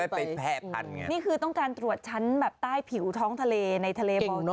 อะไรแบบนั้นเหมือนเรือวายกิ้งอ๋ออะไรแบบนั้น